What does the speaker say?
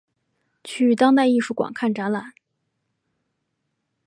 去当代艺术馆看展览